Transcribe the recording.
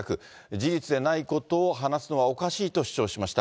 事実でないことを話すのはおかしいと主張しました。